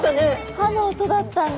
歯の音だったんだ。